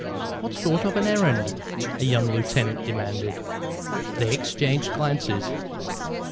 "What sort of an errand?" a young lieutenant demanded. They exchanged glances.